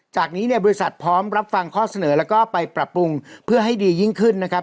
จากนี้เนี่ยบริษัทพร้อมรับฟังข้อเสนอแล้วก็ไปปรับปรุงเพื่อให้ดียิ่งขึ้นนะครับ